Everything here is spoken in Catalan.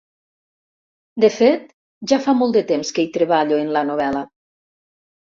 De fet ja fa molt de temps que hi treballo, en la novel·la.